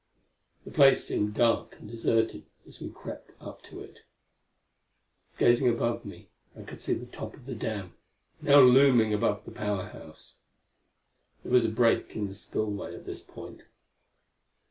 The place seemed dark and deserted as we crept up to it. Gazing above me, I could see the top of the dam, now looming above the Power House. There was a break in the spillway at this point.